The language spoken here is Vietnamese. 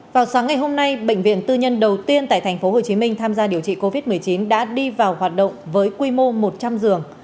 vào sáng ngày hôm nay bệnh viện tư nhân đầu tiên tại tp hcm tham gia điều trị covid một mươi chín đã đi vào hoạt động với quy mô một trăm linh giường